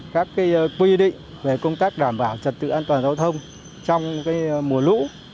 các quy định về công tác đảm bảo trật tự an toàn giao thông trong mùa lũ